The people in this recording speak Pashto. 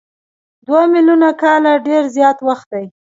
دوه میلیونه کاله ډېر زیات وخت دی.